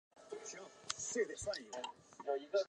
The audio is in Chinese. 乐团演奏柴可夫斯基及肖斯塔科维奇的作品最为著名。